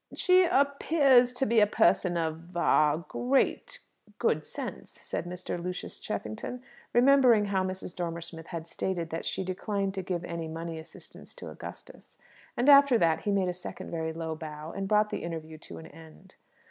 "She appears to be a person of a great good sense," said Mr. Lucius Cheffington, remembering how Mrs. Dormer Smith had stated that she declined to give any money assistance to Augustus. And after that he made a second very low bow, and brought the interview to an end.